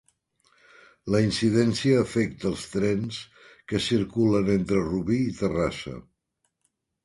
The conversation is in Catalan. La incidència afecta els trens que circulen entre Rubí i Terrassa.